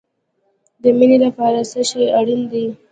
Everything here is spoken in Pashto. د مینې لپاره څه شی اړین دی؟